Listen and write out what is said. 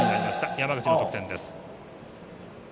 山口の得点です。